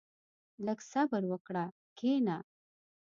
• لږ صبر وکړه، کښېنه.